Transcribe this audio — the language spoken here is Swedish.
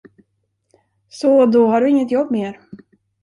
Så då har du inget jobb mer.